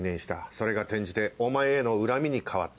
それが転じてお前への恨みに変わった。